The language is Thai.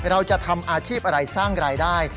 เราจะทำอาชีพอะไรสร้างรายได้